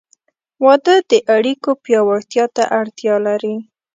• واده د اړیکو پیاوړتیا ته اړتیا لري.